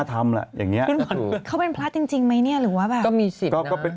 ก็มีสิทธิ์นะ